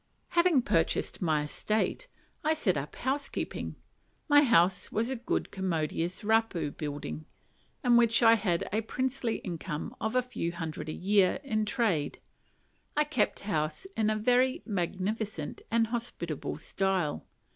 Having purchased my "estate," I set up housekeeping. My house was a good commodious raupo building; and as I had a princely income of a few hundred a year "in trade," I kept house in a very magnificent and hospitable style.